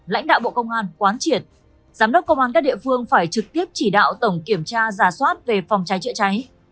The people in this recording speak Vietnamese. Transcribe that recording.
lãnh đạo bộ công an quán triển giám đốc công an các địa phương phải trực tiếp chỉ đạo tổng kiểm tra giả soát về phòng cháy chữa cháy